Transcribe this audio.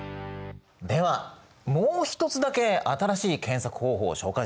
ではもう一つだけ新しい検索方法を紹介しましょう！